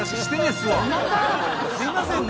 すわすいませんね